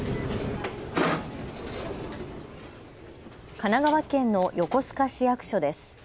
神奈川県の横須賀市役所です。